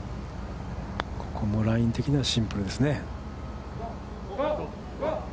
ここもライン的にはシンプルですね。